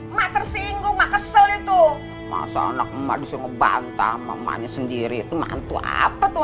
emak tersinggung kesel itu masa anak emak bisa ngebantah sama emaknya sendiri itu mantu apa tuh